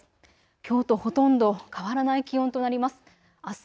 きょうとほとんど変わらない気温となります。